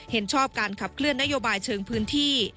เห็นชอบการขับเคลื่อนนโยบายเชิงพื้นที่